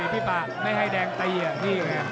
กาดเกมสีแดงเดินแบ่งมูธรุด้วย